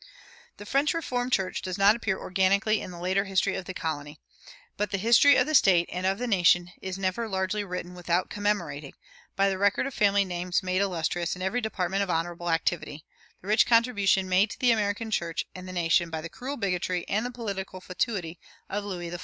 The French Reformed Church does not appear organically in the later history of the colony, but the history of the State and of the nation is never largely written without commemorating, by the record of family names made illustrious in every department of honorable activity, the rich contribution made to the American church and nation by the cruel bigotry and the political fatuity of Louis XIV.